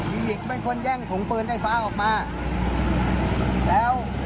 หญิงเป็นคนแย่งถุงปืนไฟฟ้าออกมาแล้ว